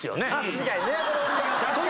確かにね。